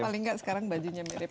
paling nggak sekarang bajunya mirip